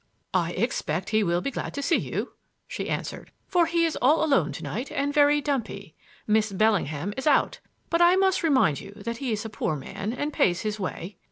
"I expect he will be glad to see you," she answered, "for he is all alone to night and very dumpy. Miss Bellingham is out. But I must remind you that he's a poor man and pays his way.